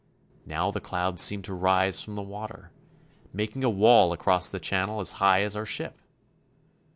Now the clouds seem to rise from the water, making a wall across the channel as high as our ship.